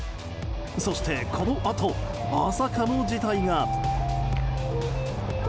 そしてこのあとまさかの事態が。